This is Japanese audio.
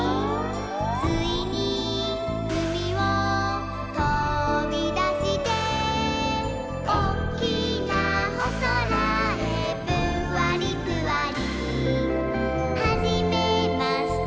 「ついにうみをとびだして」「おっきなおそらへぷんわりぷわり」「はじめまして